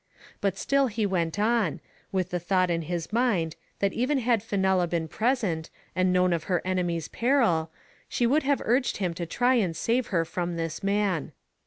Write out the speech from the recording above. But still he went on, with the thought in his mind that even had Fenella been present, and known of her enemy's peril, she would have urged him to try and save her from this man.